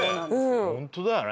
ホントだよね。